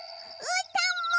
うーたんも！